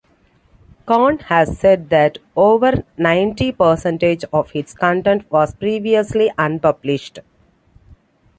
Kahn has said that over ninety percent of its content was previously unpublished.